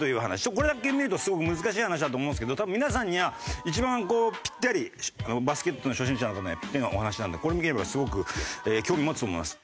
これだけ見るとすごく難しい話だと思うんですけど多分皆さんには一番ぴったりバスケットの初心者の方にはぴったりのお話なんですごく興味持つと思います。